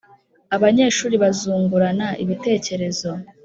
Abanyeshuri bazungurana ibitekerezo